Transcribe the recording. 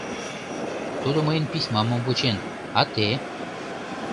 Тудо мыйын письмамым вучен, а те?